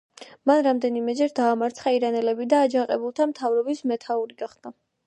მან რამდენიმეჯერ დაამარცხა ირანელები და აჯანყებულთა მთავრობის მეთაური გახდა.